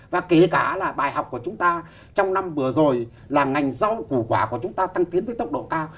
và kể cả là bài học của chúng ta trong năm vừa rồi là ngành rau củ quả của chúng ta tăng tiến với tốc độ cao